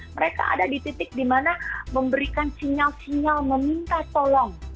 mereka ada di titik di mana memberikan sinyal sinyal meminta tolong